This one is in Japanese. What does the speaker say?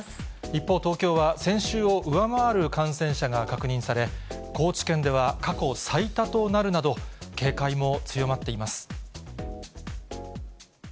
一方、東京は先週を上回る感染者が確認され、高知県では過去最多となるなど、警戒も強まっています。